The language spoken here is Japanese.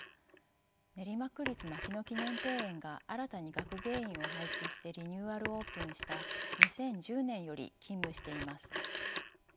練馬区立牧野記念庭園が新たに学芸員を配置してリニューアルオープンした２０１０年より勤務しています。